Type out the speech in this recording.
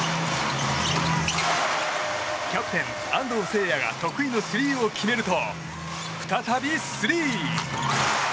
キャプテン、安藤誓哉が得意のスリーを決めると再びスリー！